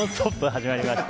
始まりました。